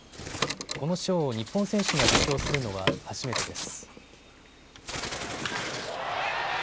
この賞を日本選手が受賞するのは初めてです。